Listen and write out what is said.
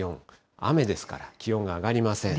雨ですから、気温が上がりません。